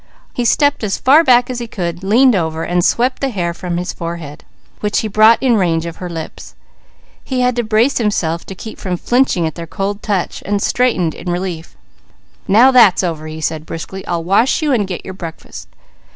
He stepped as far back as he could, leaned over, and swept the hair from his forehead, which he brought in range of her lips. He had to brace himself to keep from flinching at their cold touch and straightened in relief. "Now that's over!" he said briskly. "I'll wash you, and get your breakfast."